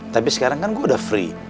tapi sekarang kan gue udah free